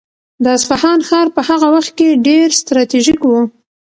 د اصفهان ښار په هغه وخت کې ډېر ستراتیژیک و.